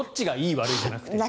悪いじゃなくて。